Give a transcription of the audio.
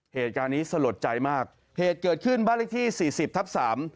เหตุการณ์นี้สะหรับใจมากเหตุเกิดขึ้นบรรที่สี่สิบทับสาม